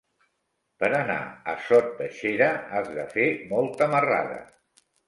Per anar a Sot de Xera has de fer molta marrada.